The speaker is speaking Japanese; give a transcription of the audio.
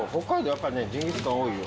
やっぱりねジンギスカン多いよ。